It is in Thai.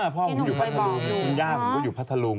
พ่อผมอยู่พัทธลุงคุณย่าผมก็อยู่พัทธลุง